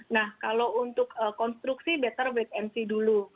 nah kalau untuk konstruksi better wait and see dulu